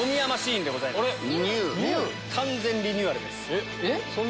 完全リニューアルです。